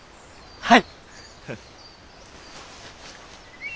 はい。